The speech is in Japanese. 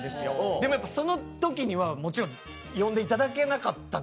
でもやっぱその時にはもちろん呼んでいただけなかったので。